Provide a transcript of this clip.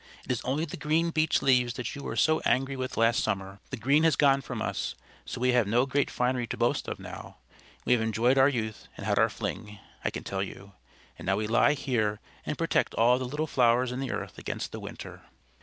"It is only the green Beech Leaves that you were so angry with last summer. The green has gone from us, so we have no great finery to boast of now. We have enjoyed our youth and had our fling, I can tell you. And now we lie here and protect all the little flowers in the earth against the winter."